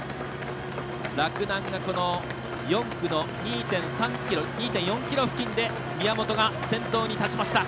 洛南が、４区の２．４ｋｍ付近で宮本が先頭に立ちました。